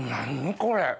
これ。